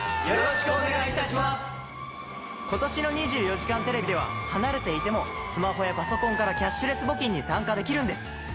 今年の『２４時間テレビ』では離れていてもスマホやパソコンからキャッシュレス募金に参加できるんです。